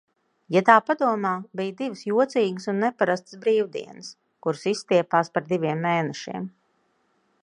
Ja tā padomā, bija divas jocīgas un neparastas brīvdienas, kuras izstiepās par diviem mēnešiem.